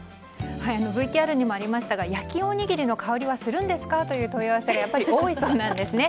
ＶＴＲにもありましたが焼おにぎりの香りはするんですかという問い合わせがやっぱり多いそうなんです。